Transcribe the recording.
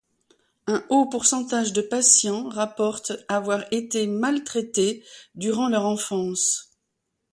Un haut pourcentage de patients rapportent avoir été maltraité durant leur enfance.